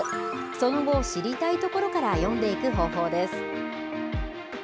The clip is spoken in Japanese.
その後、知りたい所から読んでいく方法です。